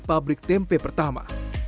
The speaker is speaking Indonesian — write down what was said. pabrik tempe pertama